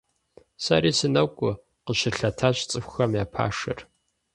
Сэри сынокӀуэ, – къыщылъэтащ цӀыхухэм я пашэр.